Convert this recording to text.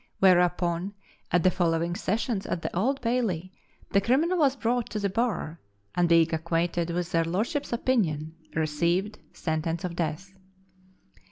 Whereupon, at the following sessions at the Old Bailey, the criminal was brought to the bar, and being acquainted with their lordships' opinion, received sentence of death.